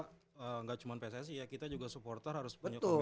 tidak cuma pssi ya kita juga supporter harus punya komitmen